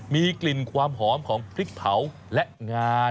มีกลิ่นความหอมของพริกเผาและงา